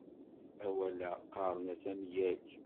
Awal-a, qqaren-as amyag.